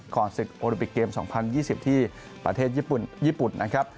ศึกโอลิปิกเกม๒๐๒๐ที่ประเทศญี่ปุ่นนะครับ